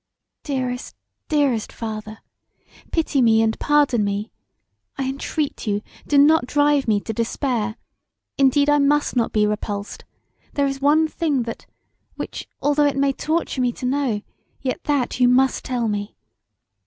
"Dearest, dearest father, pity me and pardon me: I entreat you do not drive me to despair; indeed I must not be repulsed; there is one thing that which although it may torture me to know, yet that you must tell me.